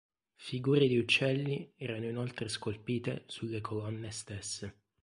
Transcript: Figure di uccelli erano inoltre scolpite sulle colonne stesse.